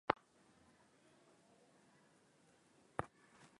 Mbali na ng'ombe vilevile kondoo mbuzi na ngamia huathiriwa